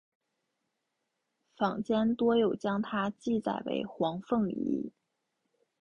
坊间多有将她记载为黄凤仪。